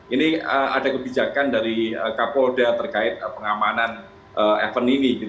ini ada kebijakan dari kapolda terkait pengamanan event ini